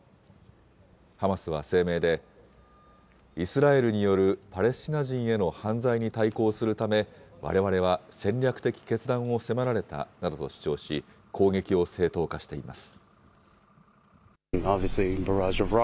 ハマスは声明で、イスラエルによるパレスチナ人への犯罪に対抗するためわれわれは戦略的決断を迫られたなどと主張し、攻撃を正当化しています。